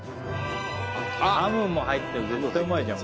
ハムも入ってる絶対うまいじゃん。